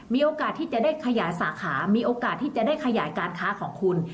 มีโอกาสที่จะได้ขยายสาขามีโอกาสที่จะได้ขยายการค้าของคุณ